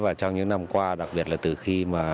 và trong những năm qua đặc biệt là từ khi mà